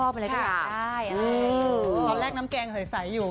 ตอนแรกน้ำแกงใสอยู่